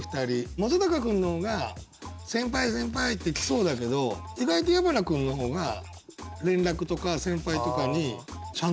本君の方が「先輩先輩」って行きそうだけど意外と矢花君の方が連絡とか先輩とかにちゃんとするよね。